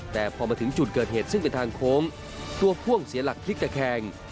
แต่พอมาถึงจุดเกิดเหตุซึ่งเป็นทางโค้งตัวพ่วงเสียหลักพลิกตะแคง